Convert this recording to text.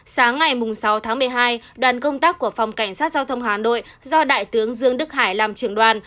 sáng ngày sáu tháng một mươi hai đoàn công tác của phòng cảnh sát giao thông hà nội do đại tướng dương đức hải làm trưởng đoàn